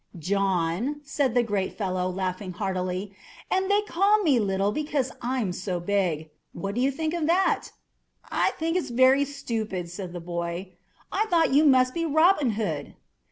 "John," said the great fellow, laughing heartily; "and they call me little because I'm so big. What do you think of that?" "I think it's very stupid," said the boy. "I thought you must be Robin Hood."